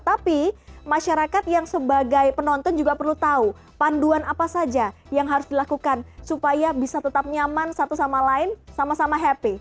tapi masyarakat yang sebagai penonton juga perlu tahu panduan apa saja yang harus dilakukan supaya bisa tetap nyaman satu sama lain sama sama happy